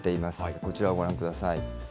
こちらをご覧ください。